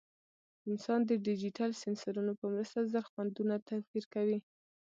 انسان د ډیجیټل سینسرونو په مرسته زر خوندونه توپیر کوي.